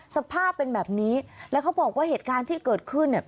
สภาพเป็นแบบนี้แล้วเขาบอกว่าเหตุการณ์ที่เกิดขึ้นเนี่ย